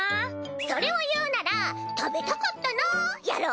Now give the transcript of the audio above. それを言うなら食べたかったなぁやろ？